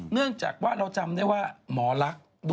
เนื่องจากว่าเราจำได้ว่า